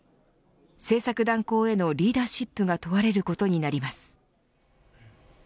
政策断行へのリーダーシップが問われることになります。